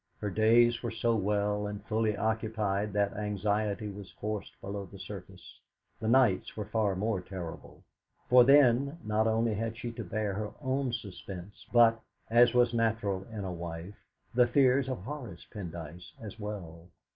Her days were so well and fully occupied that anxiety was forced below the surface. The nights were far more terrible; for then, not only had she to bear her own suspense, but, as was natural in a wife, the fears of Horace Pendyce as well.